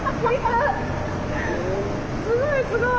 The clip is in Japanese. すごいすごい！